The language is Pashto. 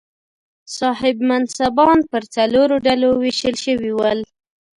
صاحب منصبان پر څلورو ډلو وېشل شوي ول.